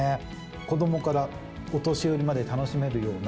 子どもからお年寄りまで楽しめるような。